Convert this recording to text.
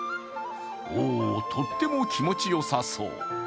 お、とっても気持ちよさそう。